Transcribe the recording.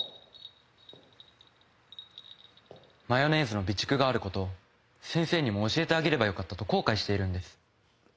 マヨネーズの備蓄がある事を先生にも教えてあげればよかったと後悔しているんです。